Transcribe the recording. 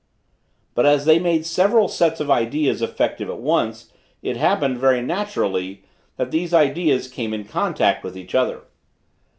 But as they made several sets of ideas effective at once, it happened, very naturally, that these ideas came in contact with each other.